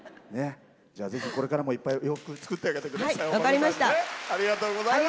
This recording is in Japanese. ぜひ、これからもいっぱい洋服作ってあげてください。